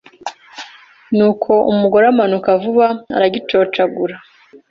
Nuko umugore amanuka vuba aragico cagura